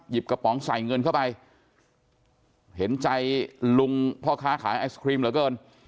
กระป๋องใส่เงินเข้าไปเห็นใจลุงพ่อค้าขายไอศครีมเหลือเกิน